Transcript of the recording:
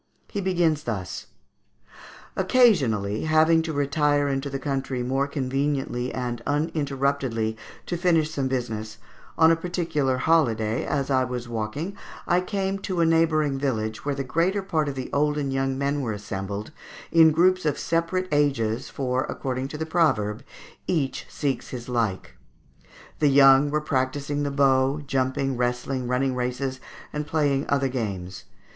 He begins thus: "Occasionally, having to retire into the country more conveniently and uninterruptedly to finish some business, on a particular holiday, as I was walking I came to a neighbouring village, where the greater part of the old and young men were assembled, in groups of separate ages, for, according to the proverb, 'Each seeks his like.' The young were practising the bow, jumping, wrestling, running races, and playing other games.